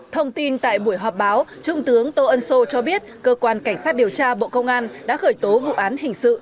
thông tin tại buổi họp báo trung tướng tô ân sô cho biết cơ quan cảnh sát điều tra bộ công an đã khởi tố vụ án hình sự